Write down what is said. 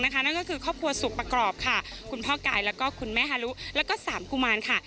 นั่นก็คือครอบครัวสุขปะกรอบคุณพ่อกายคุณแม่หารุและสามกุมารค่ะ